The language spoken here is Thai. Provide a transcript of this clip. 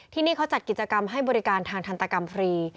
ที่นี่เขาจัดกิจกรรมให้บริการทางทันตกรรมฟรี